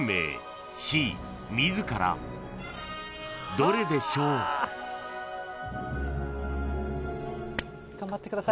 ［どれでしょう？］頑張ってください。